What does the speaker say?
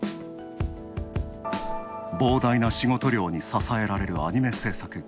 膨大な仕事量に支えられるアニメ制作。